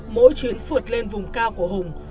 mỗi chuyến phượt lên vùng cao của hùng